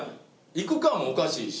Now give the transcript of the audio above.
「行くか！！」もおかしいし。